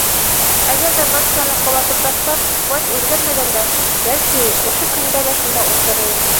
Әгәр ҙә батшаны ҡолатып ташлап, власть үҙгәрмәгәндә, бәлки, ошо көндә лә шунда ултырыр инем.